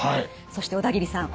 そして小田切さん